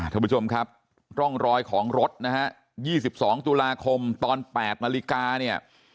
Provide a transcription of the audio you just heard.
ท่านผู้ชมครับร่องรอยของรถนะฮะ๒๒ตุลาคมตอน๘นาฬิกาเนี่ย